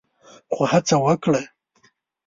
خو هڅه وکړه